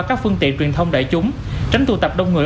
các phương tiện truyền thông đại chúng tránh tụ tập đông người